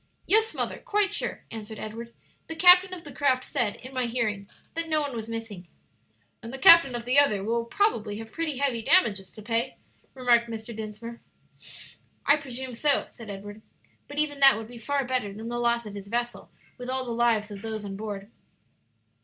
"Yes, mother, quite sure," answered Edward; "the captain of the craft said, in my hearing, that no one was missing." "And the captain of the other will probably have pretty heavy damages to pay," remarked Mr. Dinsmore. "I presume so," said Edward; "but even that would be far better than the loss of his vessel, with all the lives of those on board."